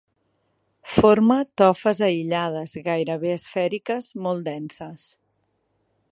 Forma tofes aïllades, gairebé esfèriques, molt denses.